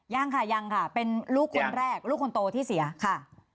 ยังค่ะยังค่ะเป็นลูกคนแรกลูกคนโตที่เสียค่ะ